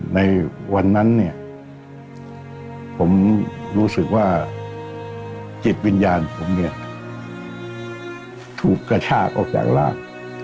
ในวันนั้นเนี่ยผมรู้สึกว่าจิตวิญญาณผมเนี่ยถูกกระชากออกจากร่าง